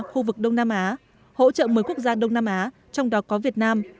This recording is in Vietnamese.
khu vực đông nam á hỗ trợ mới quốc gia đông nam á trong đó có việt nam